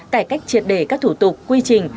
cải cách triệt đề các thủ tục quy trình